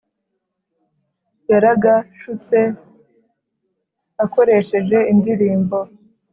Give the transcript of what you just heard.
Yaragshutse akoresheje indirimbo